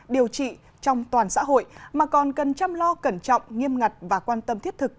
điều trị trong toàn xã hội mà còn cần chăm lo cẩn trọng nghiêm ngặt và quan tâm thiết thực